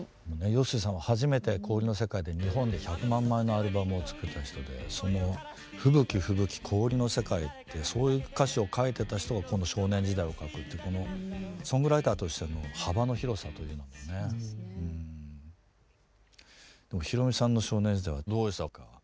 陽水さんは初めて「氷の世界」で日本で１００万枚のアルバムを作った人でその「吹雪吹雪氷の世界」ってそういう歌詞を書いてた人がこの「少年時代」を書くってこのソングライターとしての幅の広さというのもねうん。でもひろみさんの少年時代はどうでしたか？